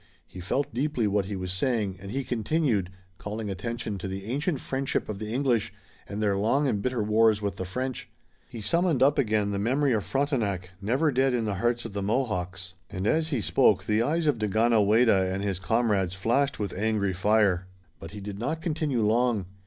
He felt deeply what he was saying, and he continued, calling attention to the ancient friendship of the English, and their long and bitter wars with the French. He summoned up again the memory of Frontenac, never dead in the hearts of the Mohawks, and as he spoke the eyes of Daganoweda and his comrades flashed with angry fire. But he did not continue long.